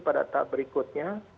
pada tahap berikutnya